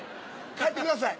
帰ってください。